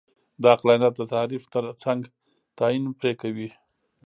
د عقلانیت د تعریف ترڅنګ تعین پرې کوي.